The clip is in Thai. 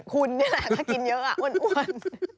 คุณนี่แหละถ้ากินเยอะอ้วน